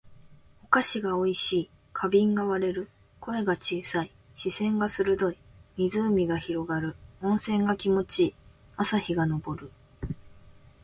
お菓子が美味しい。花瓶が割れる。声が小さい。視線が鋭い。湖が広がる。温泉が気持ち良い。朝日が昇る。